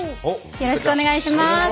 よろしくお願いします。